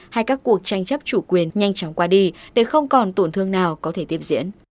hay các cuộc tranh chấp chủ quyền nhanh chóng qua đi để không còn tổn thương nào có thể tiếp diễn